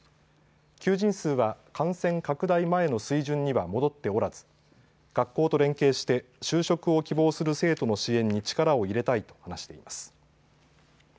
求人数は感染拡大前の水準には戻っておらず学校と連携して就職を希望する生徒の支援に力を入れたいと話しています。